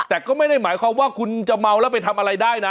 แต่ก็ไม่ได้หมายความว่าคุณจะเมาแล้วไปทำอะไรได้นะ